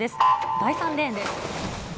第３レーンです。